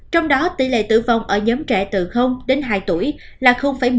trong đó tỷ lệ tử vong ở nhóm trẻ từ đến hai tuổi là một mươi